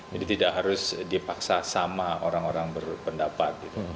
jadi tidak harus dipaksa sama orang orang berpendapat